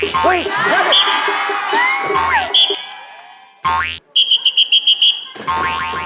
หรือ